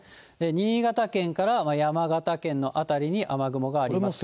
新潟県から山形県の辺りに雨雲があります。